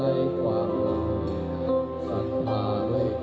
นายยกรัฐมนตรีพบกับทัพนักกีฬาที่กลับมาจากโอลิมปิก๒๐๑๖